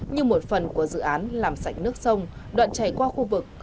như một phần của dự án làm sạch nước sông đoạn chảy qua khu vực